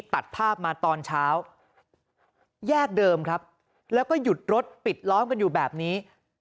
ตัดภาพมาตอนเช้าแยกเดิมครับแล้วก็หยุดรถปิดล้อมกันอยู่แบบนี้